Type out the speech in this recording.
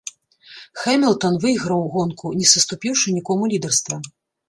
Хэмілтан выйграў гонку, не саступіўшы нікому лідарства.